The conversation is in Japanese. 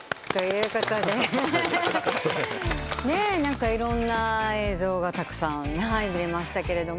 何かいろんな映像がたくさん出ましたけれども。